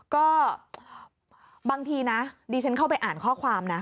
ก็บางทีนะดิฉันเข้าไปอ่านข้อความนะ